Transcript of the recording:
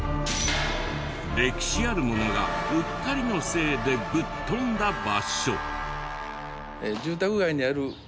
歴史あるものがうっかりのせいでぶっ飛んだ場所。